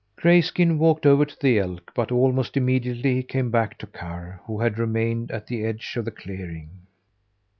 Grayskin walked over to the elk, but almost immediately he came back to Karr, who had remained at the edge of the clearing.